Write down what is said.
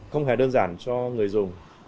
không hề đơn giản cho người dùng